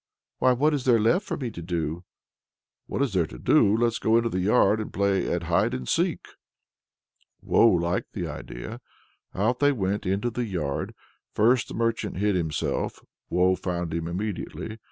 "Why, what is there left for me to do?" "What is there to do! let's go into the yard and play at hide and seek." Woe liked the idea. Out they went into the yard. First the merchant hid himself; Woe found him immediately.